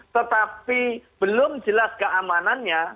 tetapi belum jelas keamanannya